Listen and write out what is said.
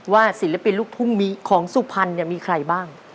ว่าศิลปินลูกทุ่งมีของสุพรรณเนี่ยมีใครบ้าง